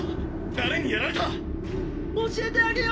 誰にやられた⁉教えてあげよっか。